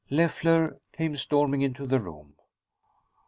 Leffler came storming into the room.